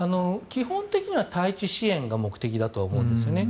基本的には対地支援が目的だと思うんですよね。